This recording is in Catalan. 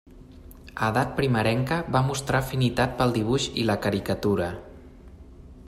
A edat primerenca va mostrar afinitat pel dibuix i la caricatura.